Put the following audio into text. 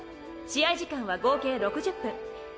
試合時間は合計６０分。